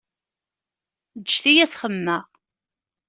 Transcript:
Ǧǧet-iyi ad s-xemmemeɣ.